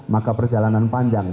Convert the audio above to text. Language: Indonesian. maka perjalanan panjang